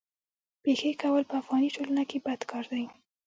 پېښې کول په افغاني ټولنه کي بد کار دی.